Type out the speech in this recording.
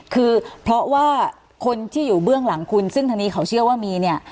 คือเพราะว่าคนที่อยู่เบื้องหลังคุณซึ่งทางนี้เขาเชื่อว่ามีเนี่ย